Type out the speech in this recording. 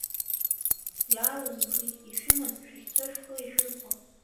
Иаауз нхеит, ишәымаз, шәахьцо шәхы иашәырхәа.